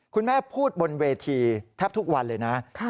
คุณแม่พูดบนเวทีแทบทุกวันเลยนะ